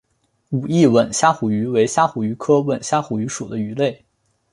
武义吻虾虎鱼为虾虎鱼科吻虾虎鱼属的鱼类。